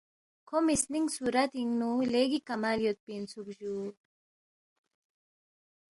کھو مِسنِنگ صُورتِنگ نُو لیگی کمال یودپی اِنسُوک جُو